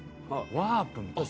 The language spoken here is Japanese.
ワープみたいな？